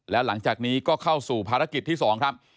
แล้วหลังจากนี้ก็เข้าสู่ภารกิจที่๒ครับ